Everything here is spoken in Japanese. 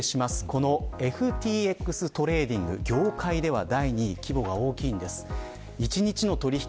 このＦＴＸトレーディング業界で第２位規模が大きいんです。